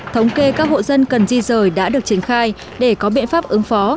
thống kê các hộ dân cần di rời đã được triển khai để có biện pháp ứng phó